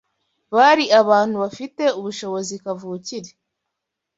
Bari abantu bafite ubushobozi kavukire